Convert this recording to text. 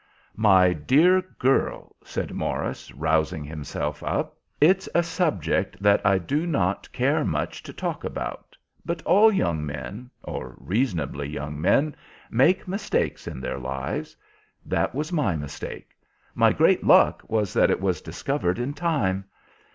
"My dear girl," said Morris, rousing himself up, "it's a subject that I do not care much to talk about, but all young men, or reasonably young men, make mistakes in their lives. That was my mistake. My great luck was that it was discovered in time.